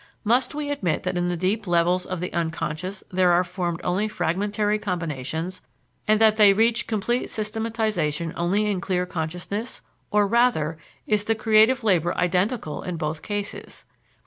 Must we admit that in the deep levels of the unconscious there are formed only fragmentary combinations and that they reach complete systematization only in clear consciousness, or, rather, is the creative labor identical in both cases?